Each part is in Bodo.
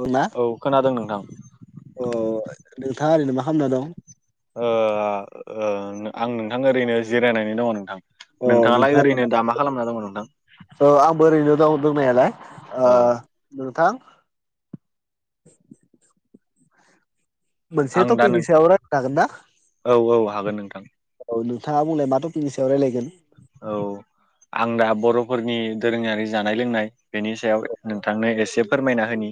औ ना खोनादों नोंथां अ नोंथाङा ओरैनो मा खालामना दं आं नोंथां ओरैनो जिरायनानै दङ नोंथां अ नोंथाङालाय ओरैनो दा मा खालामना दङ नोंथां औ आंबो ओरैनो दं दंनायालाय औ नोंथां [inaudible] आं मोनसेथ' दा नों फैनि [unintelligible] सायाव राय हागोन दा [unintelligible] औ औ हागोन नोंथां औ नो [unintelligible] ङा बुंल माथ' बिनि सायाव रायलायगोन औ आं दा बर'फोरनि दोरोङारि जानाय लोंनाय बेनि सायाव नोंथांनो एसे फोरमायना होनि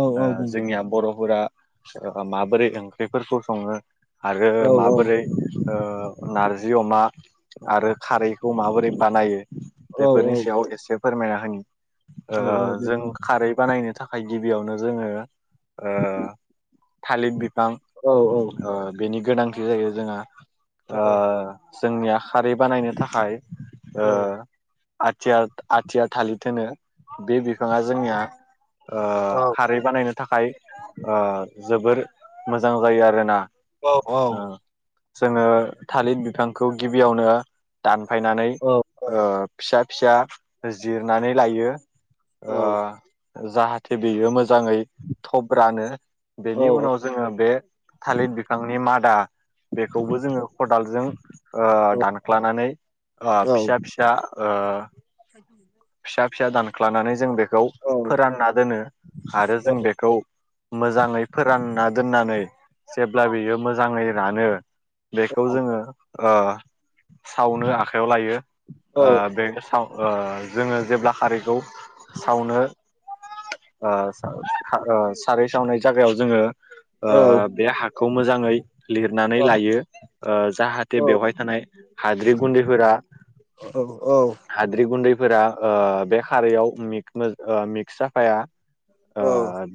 औ औ बुं जोंनिया बर'फोरा माबोरै ओंख्रिफोरखौ सङो आरो औ औ माबोरै नारजि अमा आरो खारैखौ माबोरै बानायो औ बेफोरनि सायाव एसे फोरमायना होो औ औ दे [unintelligible] जों खारै बानायनो थाखाय गिबियावनो जोङो थालिरिर [unintelligible] बिफां औ औ बेनि गोनांथि जायो जोंहा औ ओ जोंनिया खारै बानायनो थाखाय ओ आथिया- आथिया थालिर होनो। बे बिफाङा जोंनिया औ खारै ओ बानायनो थाखाय ओ जोबोर मोजां जायो आरोना। औ औ। ओ जोङो थालिर बिफांखौ गिबियावनो दानफायनानै ओ फिसा -फिसा जिरनानै लायो औ औ जाहाथे बेयो मोजां जाङै थब रानो बेनि उनाव जोङो बे थालिर बिफांनि मादा बेखौबो जोङो खदालजों ओ दानख्लानानै फिसा फिसा ओ फिसा फिसा दानख्लानानै जों बेख राव फोरानना दोने आरो जों बेखौ मोजाङै फोरानना दोननानै जेब्ला बियो मोजाङै रानो बेखौ जोङो ओ सावनो आखाइायाव लायो। ओ बे जोङो जेब्ला हारिखौ सावनो ओ ओ सारै सावनाय जायगायाव जोङो ओ बे हाखौ मोजाङै लिरनानै लायो ओ जाहाथे बेवहाय थानाय हाद्रि गुन्द्रिफोरा हाद्रि गुन्द्रि दैफोरा औ बे खारैयाव मिक्स जाफाया ओ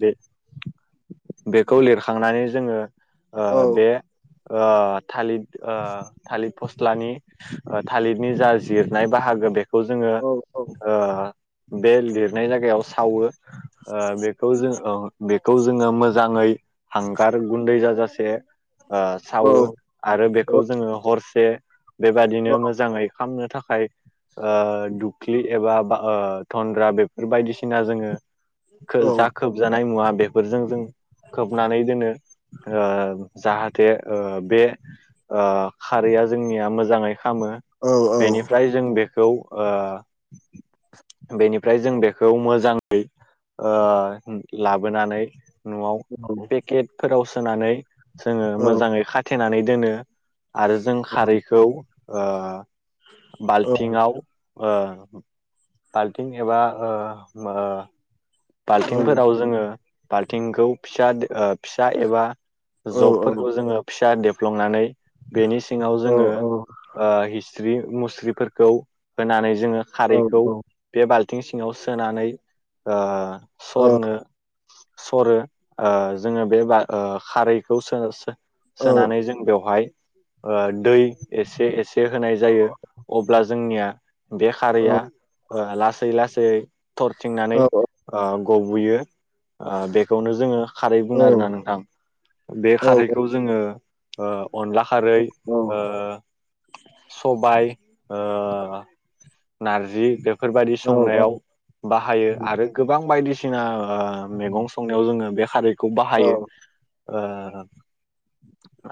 बे-बेखौ लिरखांनानै जोङो ओ बे ओ थालिद ओ थालिर फस्लानि थालिरनि जा जिरनाय बाहागो बे खौ जोङो ओ बे लिरनाय जायगायाव सावो। ओ बेखौ जों ओ बेखौ जोङो मोजाङै हांगार गुन्दै जाजास से सावो आरो बेखौ जोङो हरसे बेबादिनो मोजाङै खालामनो थाखाय ओ दुख्लि एबा थनन्द्रा बेफोर बायदिसिना जोङो खो जा खोबजानाय मुवा बेफोरजों जों खोबनानै दोनो जाहाथे बे खारैया जोंनिया मोजाङै खामो बेनिफ्राय जों बेखौ बेनिफ्राय जों बेखौ मोजाङै ओ लाबोनानै न'आव औ औ औ पेकेटफोराव सोनानै जोङो औ मोजाङै खाथेनानै दोनो। आरो जों खारैखौ ओ औ बाल्थिंआव ओ बाल्थिं एबा ओ औ बाल्थिंफोराव जोङो बाल्थिंखौ फिसा -फिसा एबा औ औ जबफोरखौ जोङो फिसा देब फ्लंनानै बेनि सिङाव औ जोङो ओ हि -स्रि मुस्रिफोरखौ होनानै जोंड़ो औ खारैखौ बे बाल -थिं सिङाव सोनानै ओ औ सरनो सरो ओ जोङो बे बा-खारैखौ सो सो औ सोनानै जों बेवहाय दै एसे एसे होनाय जायो अब्ला जोंनिया बे खारैया ओ लासै लासै थर थिंनानै गबो'यो बेखौनो जोङो खारै औ बुङो आरोना नोंथां। बे खारैखौ जोङो अनला खारै, ओ सबाय ओ नारजि बेफोरबायदि संनायाव बाहायो आरो गोबां बायदिसिना ओ मैगं संनायाव जोङो बे खारैखौ बाहायो। ओ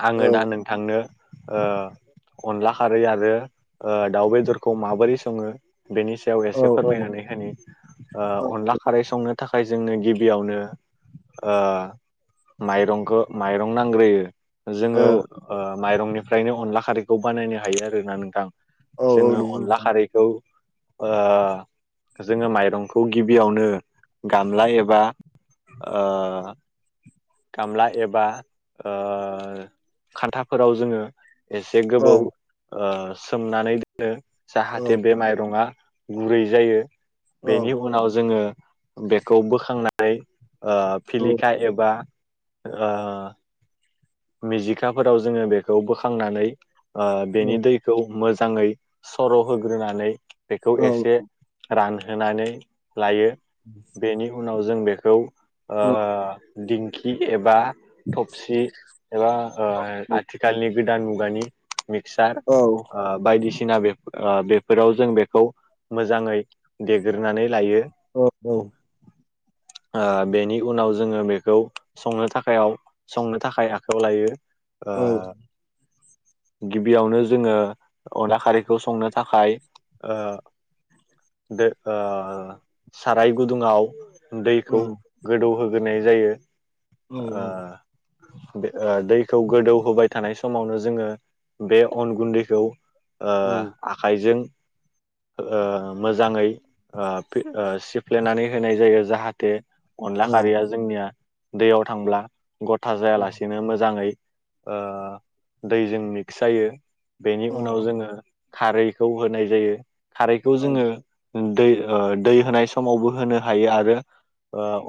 आङो दा नोंथांनो ओ अनला खारै आरो दाउ बेदरखौ माबोरै सङो? बेनि सायाव एसे औ फोरमायनानै होननि ओ अनला खारै संनो थाखाय जोंनो गिबियावनो ओ माइरंखो माइरं नांग्रोयो। जोङो औ औ माइरंनिफ्रायनो अनला खारैखौ बानायनो हायो आरोना नोंथां? जोङो नंगौ अनला नोंथां खारैखौ ओ जोङो माइरंखौ गिबियावनो गामला एबा ओ गामला एबा ओ खान्थाफोराव जोङो एसे गोबौ सोमनानै दोनो औ जाहाथे बे माइरङा गुरै जायो औ बेनि उनाव जोङो बेखौ बोखांनाय ओ फिलिखा एबा ओ मिजिखाफोराव जोङो बेखौ बोखांनानै ओ बेनि दैखौ मोजाङै सर' होग्रोनानै बेखौ औ एसे रानहोनानै लायो बेनि उनाव जों बे खौ ओ दिंखि एबा थबसि एबा ओ आथिखालनि गोदान मुगानि मिक्सार औ ओ बायदिसिना बेफोर ओ बेफोराव जों बेखौ मोजाङै देग्रोनानै लायो औ औ [inaudible] ओ बेनि उनाव जोङो बेखौ संनो थाखायाव संनो थाखाय आखायाव लायो ओ गिबियावनो जोङो अनला खारैखौ संनो थाखाय ओ दो ओ साराय गुदुङाव दैखौ औ गोदौहोग्रोनाय जायो ओ बे दैखौ गोदौहोबाय थानाय समावनो जोङो बे अन गुन्दैखौ ओ आखाइजों ओ मोजाङै ओ फे ओ सिफ्लेनानै होनाय जायो जाहाथे अनला खारिया जोंनिया दैयाव थांब्ला गथा जायालासिनो मोजाङै ओ दैजों मिक्स जायो बेनि उनाव जोङो खारैखौ होनाय जायो खारैखौ जोङो दै दै होनाय स समावबो होनो हायो आरो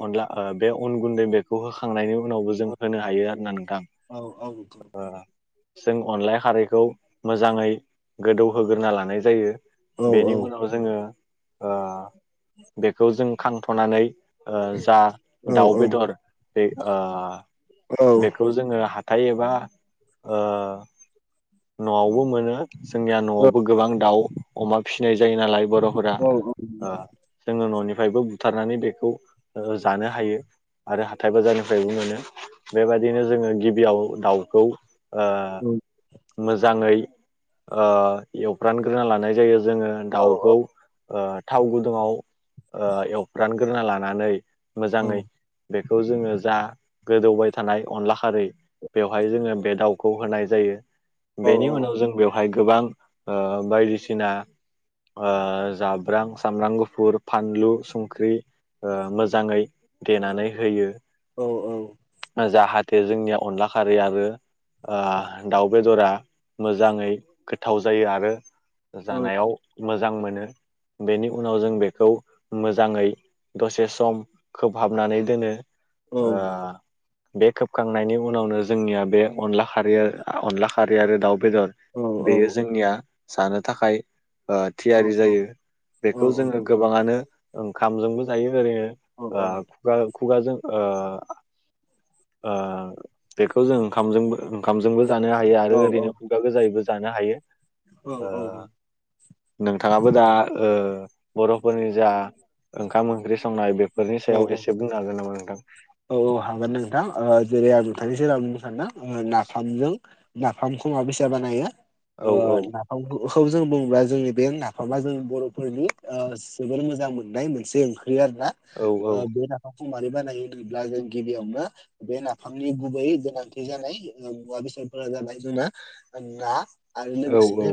अनला बे अन गुन्दै बेखौ होखांनायनि उनावबो जों होनो हायो आरोना नोंथां ओ जों अनलाय खारैखौ मोजाङै गोदौहोग्रोना लानाय जायो बेनि उनाव जोङो ओ बेखौ जों खांनथ'नानै ओ जा दाउ बेदर बे ओ बेखौ जोङो हाथाय एबा ओ न'आवबो मोनो जोंनिया न'आवबो गोबां दाउ अमा फिसिनाय जायो नालाय बर'फोरा ओ जोङो न'निफ्रायबो बुथारनानै बेखौ जानो हायो आरो हाथाय बाजारनिफ्रायबो मोनो बेबायदिनो जोङो गिबियाव दाउखौ ओ मोजाङै ओ एवग्रानग्रोना लानाय जायो जोङो दाउखौ थाव ओ गुदुङाव ओ एवफ्रानग्रोना लानानै मोजाङै औ बे बे खौ जोङो जा गोदौबाय थानाय अनला खारै बेवहाय जोङो बे दाउखौ होनाय जायो औ बेनि औ उनाव जों बेव बहाय गोबां ओ बायदिसिना जाब्रां सामब्राम गुफुर फानलु संख्रि ओ मोजाङै देनानै होयो औ औ जाहाथे जोंनिया अनला खारै आरो ओ दाउ बेदरा मोजाङै गोथाव जायो आरो जानायाव मोजां मोनो बेनि उनाव जों बे खौ मोजाङै दसे सम खोबहाबनानै दोनो ओ बे खोबखांनायनि उनावनो जोंनिया बे अनला खारि अनला खारि आरो दाउ बेदर बेयो जोंनिया जानो थाखाय ओ थियारि जायो बेखौ जोङो गोबाङानो ओंखामजोंबो जायो ओरैनो ओ खुगा खुगाजों ओ ओ बेखौ जों ओंखामबो ओंखामजोंबो जानो हायो आरो औ ओरैनो खुगा गोजायैबो जानो हायो। औ नोंथाङाबो दा बर'फोरनि जा ओंखाम ओंख्रि संनाय बेफोरनि सायाव एसे बुं हागोन नामा? नोंथां? औ औ हागोन नोंथां ओ जेरै आं नोंथांनि सेराव आं बुंनो सानदों नाफामजों नाफामखौ मा बेसा बानायो औ औ नाफामखौ खौ जों बुङोब्ला जोंनि बे नाफामा जोंनि बर'फोरनि जोबोर मोजां मोननाय मोनसे ओंख्रि आरो‌ ना औ औ बे नाफामखौ मारै बानायो होनोब्ला जों गिबियावनो बे नाफामनि गुबै गोनांथि जानाय मुवा बेसादफोरा जाबाय जोंना ना आरो औ लोगोसेनो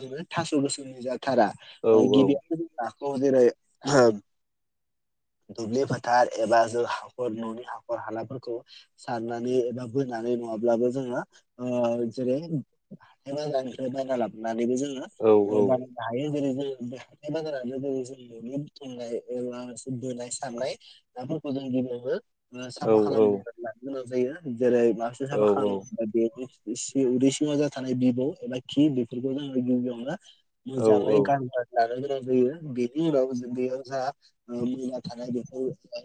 जोङो थास' गोसोमनि जाथारा औ गिबियावनो जों खौ जेरै दुब्लि फोथार एबा हाखर न'नि हाखर हालाफोरखौ सारनानै एबा बोनानै नङाब्लाबो जोङो ओ जेरै हाथाय बाजारनिफ्राइ बायना लाबोनानै जोङो औ [unintelligible] बे हाथाय बाजारानो जों न'नि बुथुमनाया मोनसे बोनाय सारनाय ना जों गिबियावनो औ साफा खालाम ग्रोना लानो गोनां जायो जेरै औ [unintelligible] सि उदै सिङाव जा थानाय बिबौ एबा खि बेफोरखौ जोङो गिबियावनो औ औ मोजाङै गारना लाग्रो नाय जायो बेनि उनाव बेयाव जा मुला थानाय बेखौ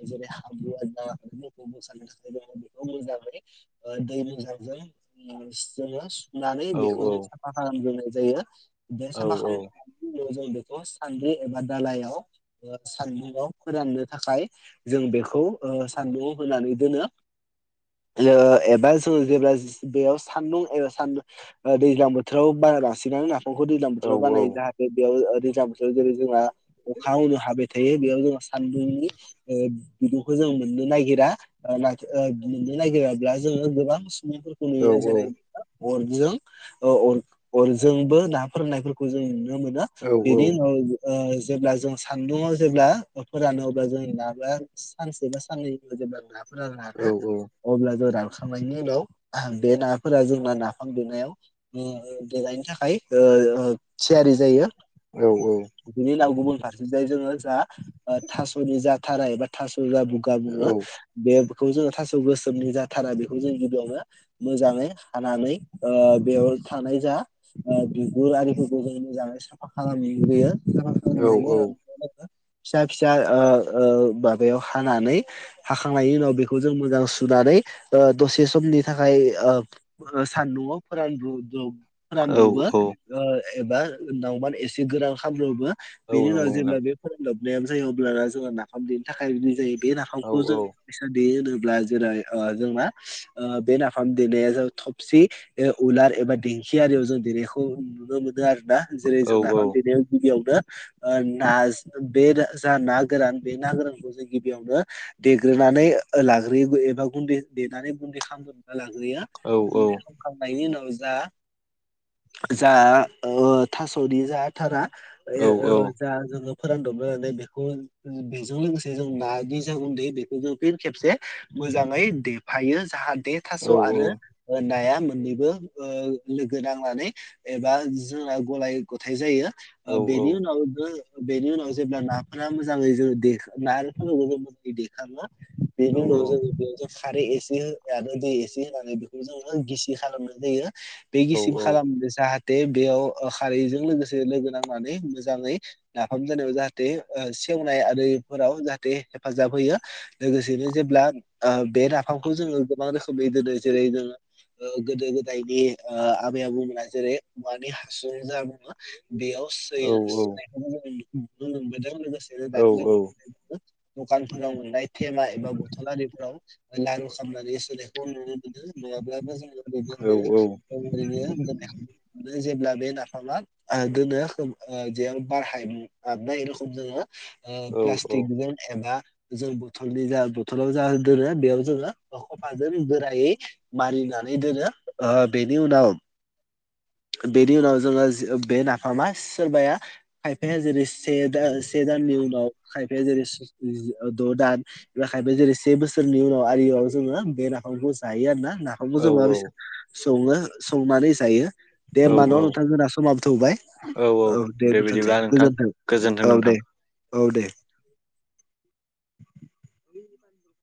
जेरै हाब्रुआदाफोरखौ मोसानो थाखाय बेखौ मोजाङै दै मोजांजों [unintelligible] नानै बेखौ औ औ जों साफा खालामग्रोनाय जायो बे औ साफा खालामनायनि उनाव जों बेखौ सान्द्रि एबा दालायाव सान्द्रियाव फोराननो थाखाय जों बेखौ सान्दुंङाव होनानै दोनो एबा जोङो जेब्ला बेयाव सान्दुं एबा सानदुं दैज्लां बोथोराव बा लासिनानै नाफामखौ दैज्लां बोथोराव बानायायो औ जाहाथे बेयाव दैजां बोथोराव जेरै जोंहा अखा हाब बियाव जों सानदुंनि बिदुंखौ जों मोननो नागिरा [unintelligible] [unintelligible] अरजों अरजोंबो ना फोरननायफोरखौ जों नुनो मोनो औ बेनि उनाव जेब्ला जों सान्दुङाव जेब्ला फोरानो अब्ला जों ना सानसे बा साननै जेब्ला नाफोरा रानो अब्ला जों रानखांनायनि उनाव बे नाफोरा जोंना नाफाम दुनायाव देेनायनि थाखाय थियारि जायो। बिनि उनाव गुबुन फारसे जाय जोङो जा थास'नि जा थाराय एबा थास' [unintelligible] बेखौ जोङो थास' गोसोमनि जाथारा बेखौ जों गिबियावनो मोजाङै हानानै बेयाव थानाय जा बिगुर आरिफोरखौ जों मोजाङै साफा खालामै होयो [unintelligible] फिसा फिसा ओ ओ माबायाव हानानै हाखांनायनि उनाव बेखौ जों मोजां सुनानै दसे सम नि थाखाय सानदुंआव फोरान औ रानदुबो औ एबा नावमान एसे गोरान खालामनोबो बेनि उनाव नंगौ जेब्ला नोंथां बे फोरान दबनायानो जायो अब्ला जोंहा नाफाम थेनो थाखाय रेदि जायो बे औ नाफामखौ जो औ फैसा दे होनोब जेरै जोंना बे नाफाम देनाया ओ थबसि उलार एबा खियारियाव जों देनायखौ नुनो मोनो आरो ना जेरै औ जों नाफाम देनायाव गिबियावनो ना बे जा ना गोरान बे ना गोरानखौ जों गिबियावनो देग्रोनानै लाग्रोयो एबा गुन्दै देनानै गुन्दै खालामोब [unintelligible] लगै औ हे सब खालाम लायनायनि न जा जा ओ थास'दि जाथारा [unintelligible] ए औ औ जा जफुर दब म बेखौ बेजों लोगोसे जों नानि जा गुन्दै बेखौ जों फिन खेबसे मोजांङै देफायो जाहा बे थास' आरो ओ नाया मोननैबो ओ लोगो नांनानै एबा जोंना गलाय गथाय जायो ओ बेनि उनाव गो बेनि उनाव जेब्ला नाफ्रा मो मोजांङै जों [unintelligible] मोजाङै देखाङो बेनि उनाव जो बे खारै एसे हो आरो दै एसे होनानै बेखौ जोंङो गिसि खालामनाय जायो। बे गिसिब खालामनो जा दे बेयाव खारैजों लोगोसे लोगो नांनानै मोजांङै नाफाम जानायाव जाहाथे सेवनाय आरिफोराव जाहाथे हेफाजाब होयो लोगोसेनो जेब्ला बे नाफामखौ जों गोबां रोखोमनि दोनो जेरै जोंङो ओ गोदो गोदायनि ओ आबै आबौमोना जेरै औवानि हासुं जों बेयाव सोयो सोनायखैनो जोंङो नुबोदों लोगोसेनो औ दानि औ दखानफोराव मोननाय खेमा एबा बथल आरिफोराव लारु खालामनानै सोनायखौ आं नुनो मोनो नुवाब्लाबो औ जों [unintelligible] जेब्ला बे नाफामा ओ दोनो जेयाव बारहायनाय जे रखम जोंङो ओ औ औ प्लास्टिकजों एबा जों बथलनि जा बथलाव जा दोनो बेयाव जोंङो खफाजों गोरायै मारिना सानै दोनो ओ बेनि उनाव [inaudible] बेनि उनाव जोंङो जो बे नाफामा सोरबाया खायफाया जेरै से दा से दाननि उनाव खायफाया जेरै से द' दान एबा खायफाया जेरै से बोसोरनि उनाव बारियाव जोंङो बे नाफामखौ जायो आरो ना नाफामखौ औ जों माबसे संङो संनानै जायो दे औ होमबा न' औ नोंथांमोनहा समाथौबाय औ दे दुथोनसै बिदिब्ला नोंथां गोजोनथों गोजोन्थों औ नोंथां। दे। औ दे। [inaudible]